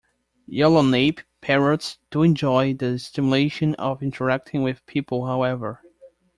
Yellow Nape parrots do enjoy the stimulation of interacting with people however.